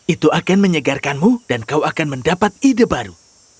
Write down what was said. itu akan menyegarkanmu dan kau akan mendapat ide baru